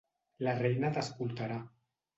La reina t'escoltarà.